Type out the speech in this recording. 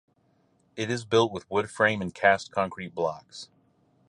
It is built with wood frame and cast concrete blocks.